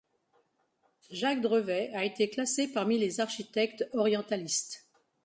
Jacques Drevet a été classé parmi les architectes orientalistes.